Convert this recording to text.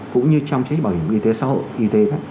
cũng như trong chính sách bảo hiểm y tế xã hội y tế